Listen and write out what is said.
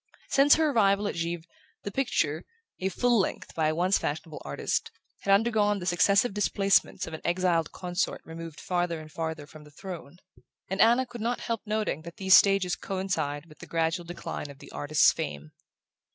Since her arrival at Givre the picture a "full length" by a once fashionable artist had undergone the successive displacements of an exiled consort removed farther and farther from the throne; and Anna could not help noting that these stages coincided with the gradual decline of the artist's fame.